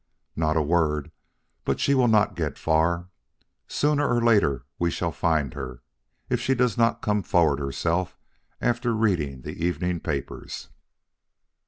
"Not a word. But she will not get far. Sooner or later we shall find her if she does not come forward herself after reading the evening papers."